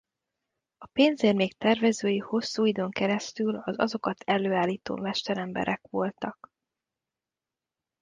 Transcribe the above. A pénzérmék tervezői hosszú időn keresztül az azokat előállító mesteremberek voltak.